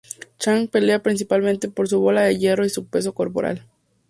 Chang pelea principalmente con su bola de hierro y su peso corporal.